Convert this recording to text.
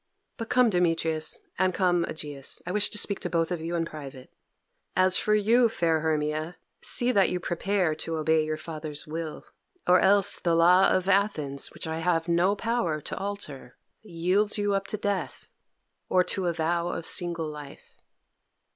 But come, Demetrius, and come, Egeus, I wish to speak to you both in private. As for you, fair Hermia, see that you prepare to obey your father's will, or else the law of Athens which I have no power to alter, yields you up to death or to a vow of single life."